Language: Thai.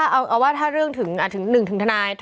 เอาว่าถ้าเรื่องถึง๑ถึงทนาย